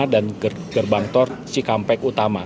dan gerbang tol cikampek utama